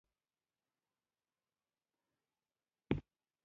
په درنښت ستاسې ورور جيننګز رينډالف.